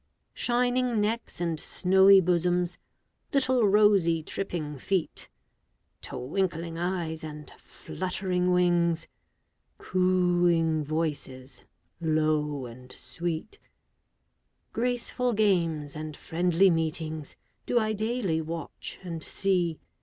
Shining necks and snowy bosoms, Little rosy, tripping feet, Twinkling eyes and fluttering wings, Cooing voices, low and sweet, Graceful games and friendly meetings, Do I daily watch and see.